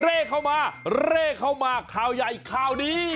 เลขเข้ามาเร่เข้ามาข่าวใหญ่ข่าวดี